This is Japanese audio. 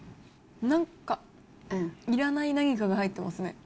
なんか、いらない何かが入ってますね。